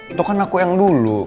itu kan aku yang dulu